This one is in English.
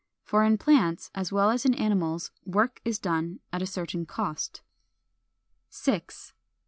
For in plants, as well as in animals, work is done at a certain cost. § 6.